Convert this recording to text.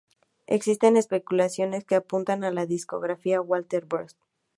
Existen especulaciones que apuntan a la discográfica Warner Bros.